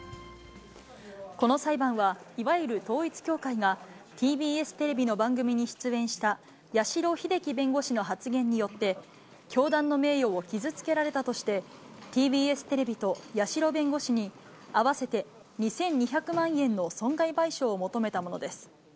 この裁判は、いわゆる統一教会が、ＴＢＳテレビの番組に出演した八代英輝弁護士の発言によって、教団の名誉を傷つけられたとして、ＴＢＳテレビと八代弁護士に、合わせて２２００万円の損害賠償を求めたものです。